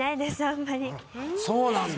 あんまり。